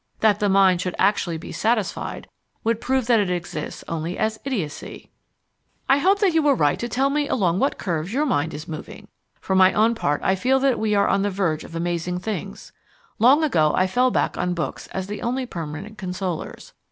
That the mind should actually be satisfied would prove that it exists only as idiocy! I hope that you will write to tell me along what curves your mind is moving. For my own part I feel that we are on the verge of amazing things. Long ago I fell back on books as the only permanent consolers.